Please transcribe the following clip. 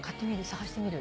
探してみる。